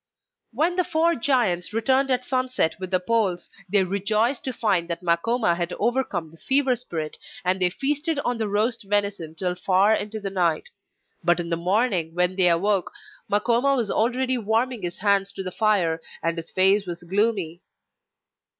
When the four giants returned at sunset with the poles, they rejoiced to find that Makoma had overcome the fever spirit, and they feasted on the roast venison till far into the night; but in the morning, when they awoke, Makoma was already warming his hands to the fire, and his face was gloomy.